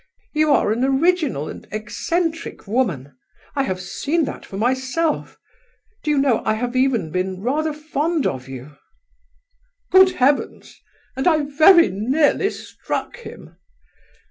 You are an original and eccentric woman; I have seen that for myself—Do you know, I have even been rather fond of you?" "Good heavens! And I very nearly struck him!"